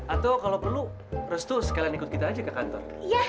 atau kalau perlu restu sekalian ikut kita aja ke kantor